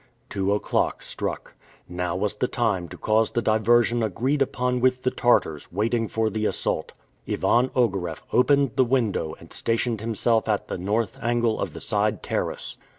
Two o'clock struck. Now was the time to cause the diversion agreed upon with the Tartars, waiting for the assault. Ivan Ogareff opened the window and stationed himself at the North angle of the side terrace.